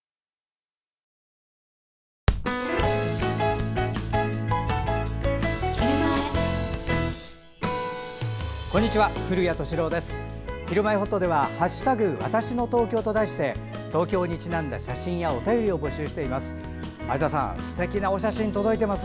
「ひるまえほっと」では「＃わたしの東京」と題して東京にちなんだ写真やお便りを募集しています。